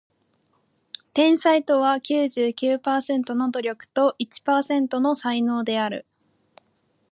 天才とは九十九パーセントの努力と一パーセントの才能である